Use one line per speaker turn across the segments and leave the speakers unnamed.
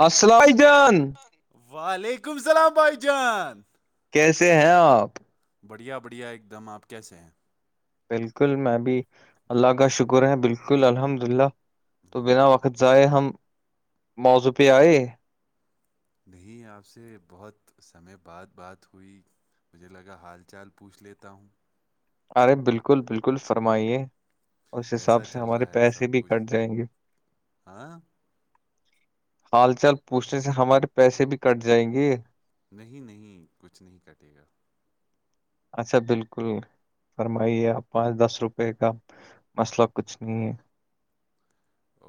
السلح جان
وعلیکم السلام بھائی جان
کیسے ہیں آپ
بڑھیا بڑھیا ایک دم آپ کیسے ہیں
بالکل میں بھی اللہ کا شکر ہے بالکل الحمد للہ تو بنا
آہ،
وقت جائے ہم موضوع پہ آئے
نہیں آپ سے بہت سمے بعد بات ہوئی مجھے لگا حال چال پوچھ لیتا ہوں
ارے بالکل بالکل فرمائیے اس
کیسا
حساب سے
چل
ہمارے
رہا ہے
پیسے
سب
بھی
کچھ
کٹ جائیں گے
ہاں
ہال چال پوچھنے سے ہمارے پیسے بھی کٹ جائیں گے
نہیں نہیں کچھ نہیں کٹے گا
اچھا بالکل
ہم،
فرمائیے آپ پانچ دس روپے کا مسئلہ کچھ نہیں ہے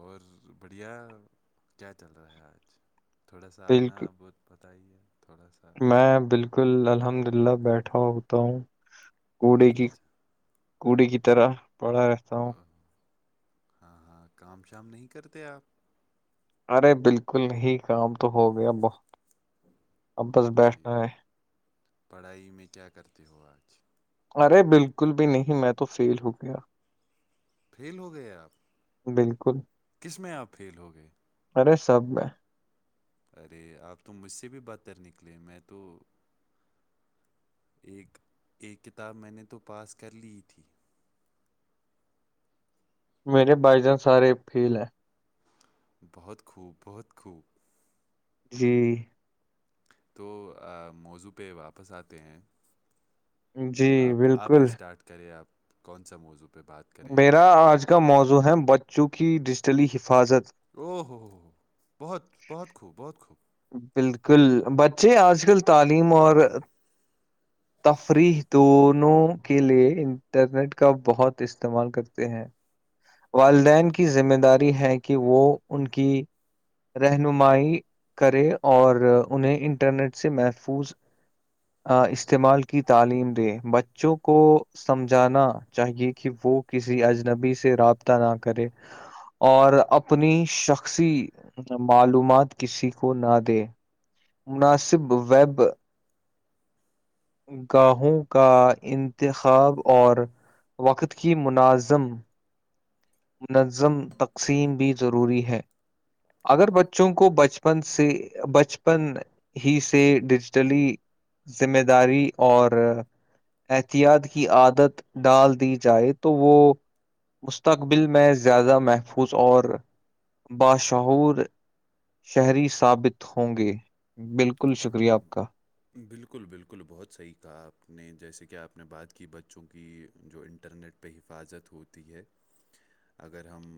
اور بڑھیا کیا چل رہا ہے آج تھوڑا سا
بالکل
اپنا بہت بتائیے تھوڑا سا
میں بالکل الحمد للہ بیٹھا ہوتا ہوں کوڑے کی کوڑی کی طرح پڑا رہتا ہوں
ہاں ہاں کام شام نہیں کرتے آپ
ارے بالکل ہی کام تو ہو گیا بہت اب بس
اچھا
بیٹھنا
ٹھیک
ہے
پڑھائی میں کیا کرتے ہو آج
ارے بالکل بھی نہیں میں تو فیل ہو گیا
فیل ہو گئے آپ
بالکل
کس میں آپ فیل ہو گئے
ارے سب ہے
ارے آپ تو مجھ سے بھی بدتر نکلے میں تو ایک ایک کتاب میں نے تو پاس کر لی تھی
میرے بائی جان سارے فیل ہے
بہت خوب بہت خوب
جی
تو موضوع پہ واپس آتے ہیں
جی
آپ آپ ہی
بالکل
اسٹارٹ کرے آپ کون سا موضوع پہ بات کریں ہم
میرا آج کا موضوع ہے بچوں کی ڈیجیٹلی حفاظت
او ہو بہت بہت خوب بہت خوب
بالکل بچے آج کل تعلیم اور تفریح دونوں کے لیے انٹرنیٹ کا بہت استعمال کرتے ہیں والدین کی ذمہ داری ہے کہ وہ کی رہنمائی کرے اور انہیں انٹرنیٹ سے محفوظ استعمال کی تعلیم دے بچوں کو سمجھانا چاہیے کہ وہ کسی اجنبی سے رابطہ نہ کرے اور اپنی شخصی معلومات کسی کو نہ دے مناسب ویب گاہوں کا انتخاب اور وقت کی مناظم منظم تقسیم بھی ضروری ہے اگر بچوں کو بچپن سے بچپن ہی سے ڈیجیٹلی ذمہ داری اور احتیاط کی عادت ڈال دی جائے تو وہ مق مقبل میں زیادہ محفوظ اور باشعور شہری ثابت ہوں گے بالکل شکریہ آپ کا
بالکل بالکل بہت صحیح کہا آپ نے جیسے کہ آپ نے بات کی بچوں کی جو انٹرنیٹ پہ حفاظت ہوتی ہے اگر ہم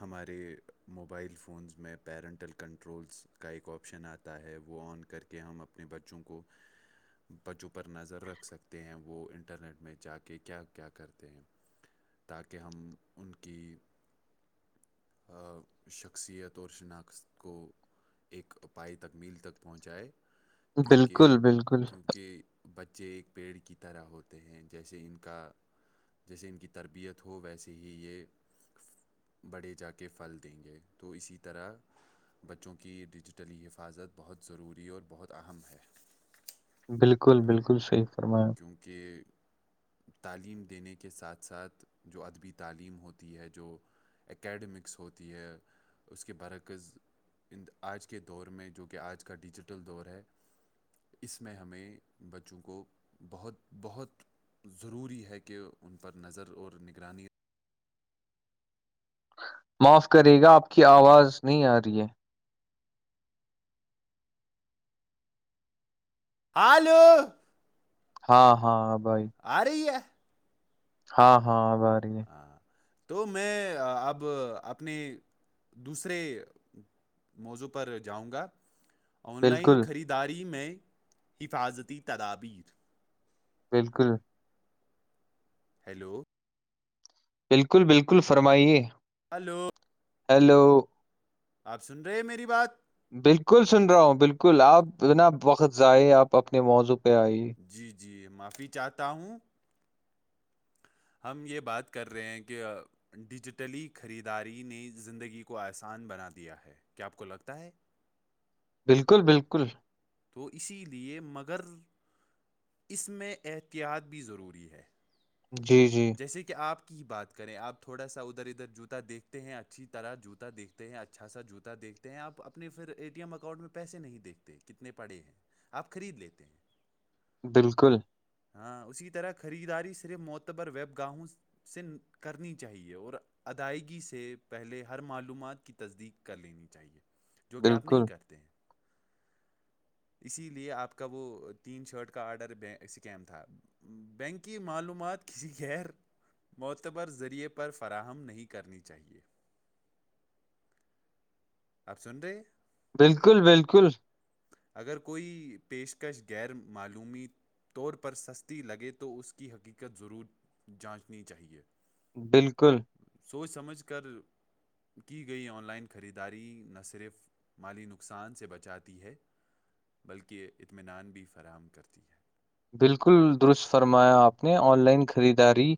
ہمارے موبائل فونز میں پیرنٹل کنٹرولس کا ایک آپشن آتا ہے وہ آن کر کے ہم اپنے بچوں کو بچوں پر نظر رکھ سکتے ہیں وہ انٹرنیٹ میں جا کے کیا کیا کرتے ہیں تاکہ ہم ان کی شخصیت اور شناخت کو ایک اپ پائے تک میل تک پہنچائے
بالکل
کیونکہ
بالکل
کیونکہ بچے ایک پیڑ کی طرح ہوتے ہیں جیسے ان کا جیسے ان کی تربیت ہو ویسے ہی یہ بڑے جا کے کے پھل دیں گے تو اسی طرح بچوں کی ڈیجیٹلی حفاظت بہت ضروری اور بہت اہم ہے
بالکل بالکل صحیح فرمایا
کیونکہ تعلیم دینے کے ساتھ ساتھ جو ادبی تعلیم ہوتی ہے جو اکیڈمکس ہوتی ہے اس کے برکز ان آج کے دور میں جو کہ آج کا ڈیجیٹل دور ہے اس میں ہمیں بچوں کو بہت بہت ضروری ہے کہ ان پر نظر اور نگرانی
معاف کرے گا آپ کی آواز نہیں آ رہی ہے
آلو
ہاں ہاں بھائی
آ رہی ہے
ہاں ہاں آ ب رہ ہے
ہاں تو میں اب اپنے دوسرے موضوع پر جاؤں گا آن لائن
بالکل
خریداری میں حفاظتی تدابیر
بالکل
ہیلو
بالکل بالکل فرمائیے
ہلو
ہیلو
آپ سن رہے ہیں میری بات
بالکل سن رہا ہوں بالکل آپ بنا وقت ضائع آپ اپنے موضوع پہ آئیے
جی جی معافی چاہتا ہوں ہم یہ بات کر رہے ہیں کہ ڈیجیٹلی خریداری نے زندگی کو آسان بنا دیا ہے کیا آپ کو لگتا ہے [inaudible]
بالکل بالکل
تو اسی لیے مگر اس میں احتیاط بھی ضروری ہے
جی جی
جیسے کہ آپ کی بات کریں آپ تھوڑا سا ادھر ادھر جوتا دیکھتے ہیں اچھی طرح جوتا دیکھتے ہیں اچھا سا جوتا دیکھتے ہیں آپ اپنے پھر اے ٹی ایم اکاؤنٹ میں پیسے نہیں دیکھتے کتنے پڑے ہیں آپ خرید لیتے ہیں
بالکل
ہاں اسی طرح خریداری صرف معتبر ویب گاہوں سے کرنی چاہیے اور ادائیگی سے پہلے ہر معلومات کی تصدیق کر لینی چاہیے جو کہ آپ نہیں
بالکل
کرتے ہیں اسی لیے آپ کا وہ تین شرٹ کا آرڈر سکیم تھا بینکی معلومات کسی غیر معتبر ذریعے پر فراہم نہیں کرنی چاہیے آپ سن رے
بالکل بالکل
اگر کوئی پیشکش غیر معلومی طور پر سستی لگے تو اس کی حقیقت ضرور جانچنی چاہئے
بالکل
سوچ سمجھ کر کی گئی آن لائن خریداری نہ صرف مالی نقصان سے بچاتی ہے بلکہ اطمینان بھی فراہم کرتی ہے
بالکل درست فرمایا آپ نے آن لائن خریداری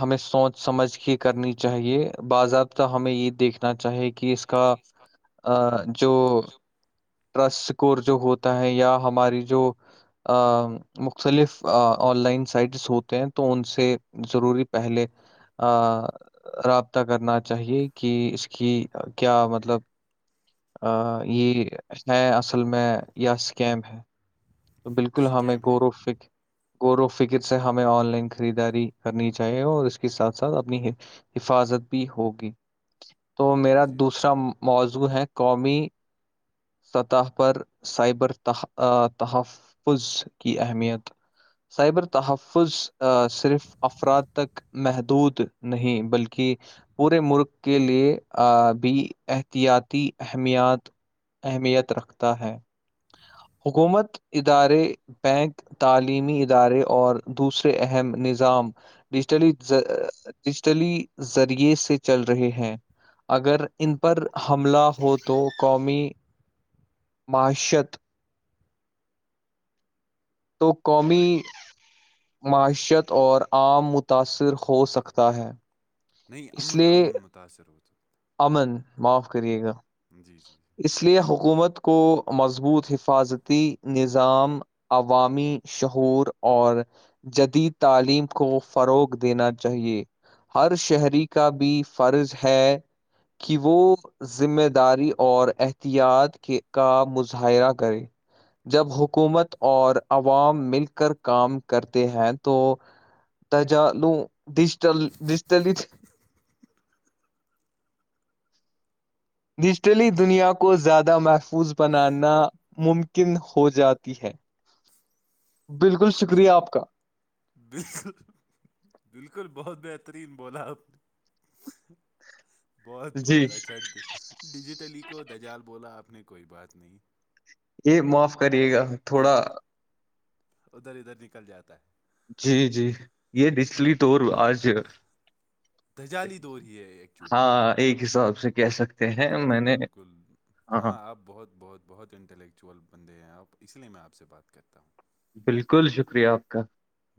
ہمیں سوچ سمجھ کے کرنی چاہیے باضابطہ ہمیں یہ دیکھنا چاہیے کہ کہ اس کا ا جو ٹرسٹ اسکور جو ہوتا ہے یا ہماری جو مختلف آن لائن سائٹس ہوتے ہیں تو ان سے ضروری پہلے ا رابطہ کرنا چاہیے کہ اس کی کیا مطلب یہ نئے اصل میں یا اسکیم ہے تو بالکل ہمیں
سکیم ہے
غور و فکر غور و فکر سے ہمیں آن لائن خریداری کرنی چاہیے اور اس کے ساتھ ساتھ اپنی حفاظت بھی ہوگی تو
جی
میرا
جی
دوسرا موضوع ہیں قومی سطح پر سائبر ت تحفظ کی اہمیت سائبر تحفظ صرف افراد تک محدود نہیں بلکہ کہ پورے ملک کے لیے بھی احتیاطی اہمییات اہمیت رکھتا ہے حکومت ادارے بینک تعلیمی ادارے اور دوسرے اہم نظام ڈیجیٹلی ڈیجیٹلی ذریعے سے چل رہے ہیں اگر ان پر حملہ ہو تو قومی معیشت تو قمی معیشت اور عام متاثر ہو سکتا ہے
نہیں
اس
امن
لیے
امن متاأثر ہوت
امن معاف کریے گا
جی جی
اس لیے حکومت کو مضبوط حفاظتی نظام عوامی شعور اور جدید تعلیم کو فروغ دینا چاہیے ہر شہری کا بھی فرض ہے کہ وہ ذمہ داری اور احتیاط کے کا مظاہرہ کرے جب حکومت اور عوام مل کر کام کرتے ہیں تو تجا ڈجٹل ڈجٹلی ڈیجیٹلی دنیا کو زیادہ محفوظ بنانا ممکن ہو جاتی ہے بالکل شکریہ
بالک
آپ کا
بالکل بالکل بہت بہترین بولا آپ نے بہت
جی
بہت اچھا ڈیجیٹلی کو دجال بولا آپ نے کوئی بات نہیں
یہ معاف کریے گا تھوڑا
ادھر ادھر نکل جاتا ہے
جی جی یہ نچلی طور آج
دجالی دور ہی ہے ایکچولی
ہاں ایک حساب سے کہہ سکتے ہیں میں
بالکل
نے
بالکل ہاں آپ بہت بہت بہت انٹلیکچوئل بندے ہیں آپ اس لیے میں آپ سے بات کرتا ہوں
بالکل شکریہ آپ کا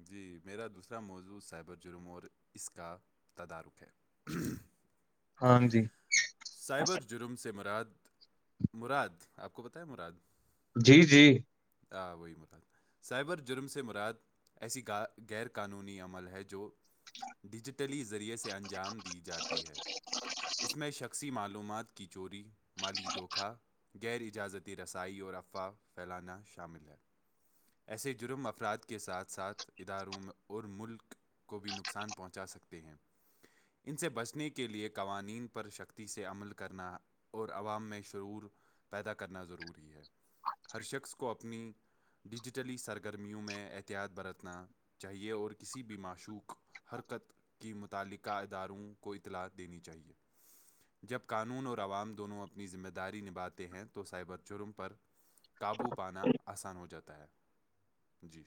جی میرا دوسرا موضوع سائبر جرم اور اس کا تدارک ہے
ہاں جی
سائبر جرم سے مراد مراد آپ کو بتیا مراد
جی جی
آ وہی ملاب سائبر جرم سے مراد ایسی غیر قانونی عمل ہے جو ڈیجیٹلی ذریعے سے انجام دی جاتی ہے اس میں شکل اسی معلومات کی چوری مالی دھوکھا غیر اجازتی رسائی اور افواہ پھیلانا شامل ہے ایسے جرم افراد کے ساتھ ساتھ اداروں میں اور ملک کو بھی نقصان پہنچا سکتے ہیں ان سے بچنے کے لئے قوانین پر شختی سے عمل کرنا اور عوام میں شعور پیدا کرنا ضروری ہے ہر شخص کو اپنی ڈیجیٹلی سرگرمیوں میں احتیاط برتنا چاہیے اور کسی بھی معشوق حرکت کی متعلقہ اداروں کو اطلاع دینی چاہیے جب قانون اور عوام دونوں اپنی ذمہ داری نبھے ہیں تو سائبر چرم پر قابو پانا آسان ہو جاتا ہے جی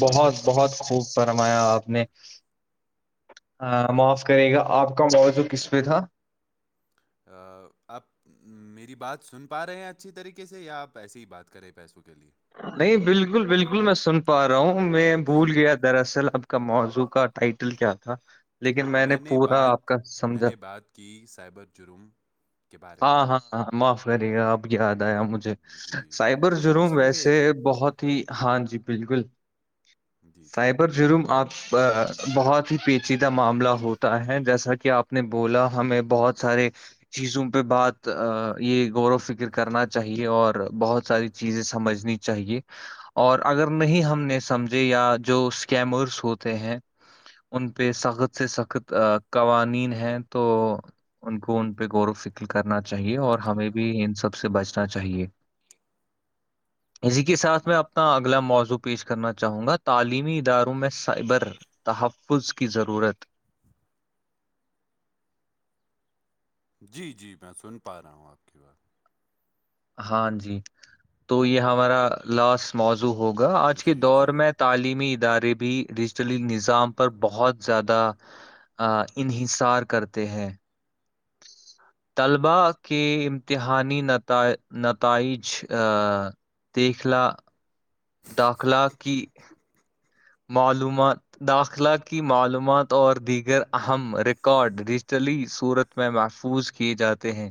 بہت بہت خوب فرمایا آپ نے معاف کرے گا آپ کا موضوع کس پہ تھا
آپ میری بات سن پا رہے ہیں اچھی طریقے سے یا آپ ایسے ہی بات کریں پیسوں کے لیے
نہیں بالکل بالکل میں سن پا رہا ہوں میں بھول
جی
گیا تھا دراصل آپ کا موضوع کا ٹائٹل کیا تھا لیکن میں نے پورا آپ
بات
کا
میں
سمجھا
نے بات کی سائبر جرم کے بارے
ہاں
میں
ہاں ہاں معاف کریے گا اب یاد آیا مجھے
جی جی
سائبر
آپ
جروم
واش روم گئے
ویسے
تھے
بہت ہی ہاں جی بالکل
جی جی
رائبر جرم آپ سے بہت ہی پیچیدہ معاملہ ہوتا ہے جیسا کہ آپ نے بولا ہمیں بہت سارے جیزوں پہ بات یہ غور فکر کرنا چاہیے اور بہت ساری چیزیں سمجھنی چاہیے اور اگر نہیں ہم نے سمجھے یا جو اسکیمرس ہوتے ہیں ان پہ سخت سے سخت قوانین ہیں تو ان کو ان پہ غور و فکر کرنا چاہیے اور ہمیں بھی ان سب سے بچنا چاہیے اسی کے ساتھ میں
ہم،
اپنا اگلا موضوع پیش کرنا چاہوں گا تعلیمی اداروں میں سائبر تحفظ کی ضرورت
جی جی میں سن پا رہا ہوں آپ کی بات
ہاں جی تو یہ ہمارا لاسٹ موزوع ہوگا آج کے
جی
دور
جی
میں تعلیمی ادارے بھی ڈیجیٹلی نظام پر بہت زیادہ انحصار کرتے ہیں طلبا کے امتحانی نت نتائج دیکھلا داخلہ کی معلومات داخلہ کی معلومات اور دیگر اہم ریکارڈ ڈیجیٹلی صورت میں محفوظ کیے جاتے ہیں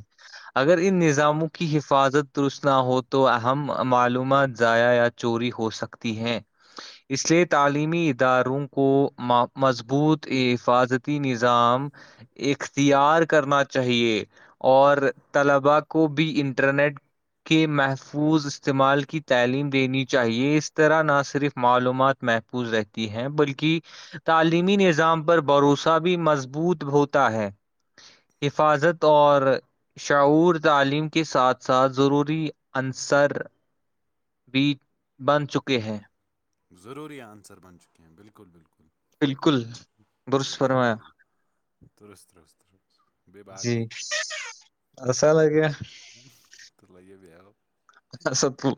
اگر ان نظاموں کی حفاظت درست نہ ہو تو اہم معلومات ضائع یا چوری ہو سکتی ہے اس لیے تو تعلیمی اداروں کو مضبوط حفاظتی نظام اختیار کرنا چاہیے اور طلباء کو بھی انٹرنیٹ کے محفوظ استعمال کی تعلیم دینی چاہیے اس طرح نہ صرف معلومات میں پوج رہتی ہیں بلکہ تعلیمی نظام پر بھروسہ بھی مضبوط ہوتا ہے حفاظت اور شعور تعلیم کے ساتھ ساتھ ضروری عنصر بی بن چکے ہیں
ضروری آنسر بند چک ک کیہ بالکل بالکل
بالکل درست فرمایا
ترست ترستست بیی بقی
رس کیا
تو لگیا بییایا
ساب